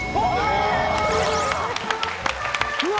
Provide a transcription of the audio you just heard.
うわ！